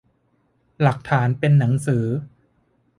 หลักฐานเป็นหนังสือ